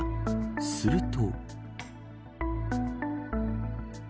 すると。